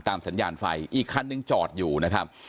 สัญญาณไฟอีกคันหนึ่งจอดอยู่นะครับ